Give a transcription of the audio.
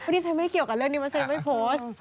ที่ฉันไม่เกี่ยวกับเรื่องนี้มาเซ็นไม่โพสต์